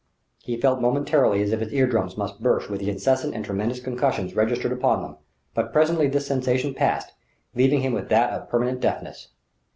He felt momentarily as if his ear drums must burst with the incessant and tremendous concussions registered upon them; but presently this sensation passed, leaving him with that of permanent deafness.